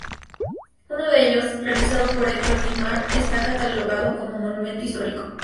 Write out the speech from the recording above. Uno de ellos, realizado por Hector Guimard está catalogada como Monumento Histórico.